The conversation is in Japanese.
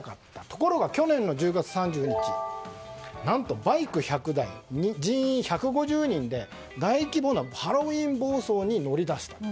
ところが去年の１０月３０日何とバイク１００台人員１５０人で大規模なハロウィーン暴走に乗り出したと。